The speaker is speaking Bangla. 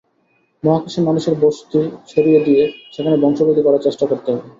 মহাকাশে মানুষের বসতি ছড়িয়ে দিয়ে সেখানে বংশবৃদ্ধি করার চেষ্টা করতে হবে।